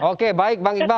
oke baik bang iqbal